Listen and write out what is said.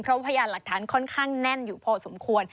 เพราะพยานหลักฐานค่อนข้างแน่นอยู่พอสมควร